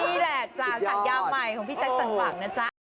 นี่แหละจากสัญญาใหม่ของพี่แจ็คสันหวังนะจ๊ะ